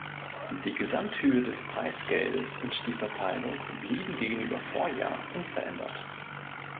Die Gesamthöhe des Preisgeldes und die Verteilung blieben gegenüber Vorjahr unverändert.